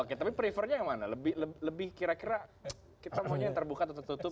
oke tapi prefernya yang mana lebih kira kira kita maunya yang terbuka atau tertutup